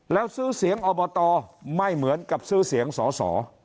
แล้วซื้อเสียงอบตไม่เหมือนกับซื้อเสียงสอสอ